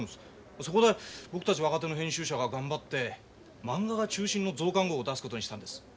そこで僕たち若手の編集者が頑張ってまんがが中心の増刊号を出すことにしたんです。